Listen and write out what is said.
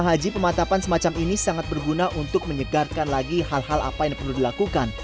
haji pematapan semacam ini sangat berguna untuk menyegarkan lagi hal hal apa yang perlu dilakukan